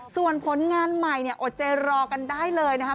ส่วนผลงานใหม่เนี่ยอดใจรอกันได้เลยนะคะ